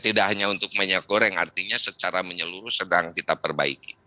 tidak hanya untuk minyak goreng artinya secara menyeluruh sedang kita perbaiki